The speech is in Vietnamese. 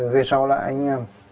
về sau là anh